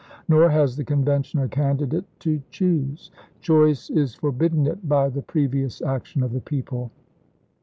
Nor has the Convention a candidate to choose. Choice is forbidden it by the previous action of the people.